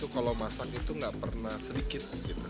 kalau masak itu nggak pernah sedikit